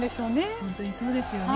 本当にそうですね。